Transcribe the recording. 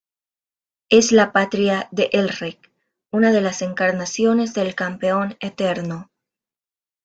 Es la patria de Elric, una de las encarnaciones del Campeón Eterno.